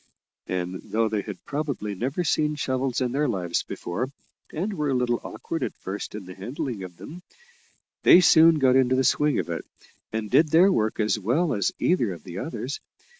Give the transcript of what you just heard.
And though they had probably never seen shovels in their lives before, and were a little awkward at first in the handling of them, they soon got into the swing of it, and did their work as well as either of the others.